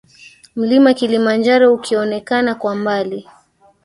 Mlima Kilimanjaro ukionekana kwa mbali